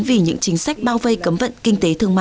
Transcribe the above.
tổng tư lệnh cách mạng cuba fidel castro